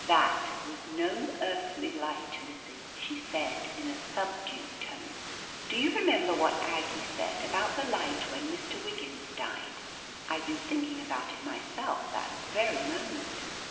"That was no earthly light, Lizzie ! she said in a subdued tone. "Do you remember what Aggie said, about the light when Mr. Wiggins diedr* I*d been thinking about it myself that very moment.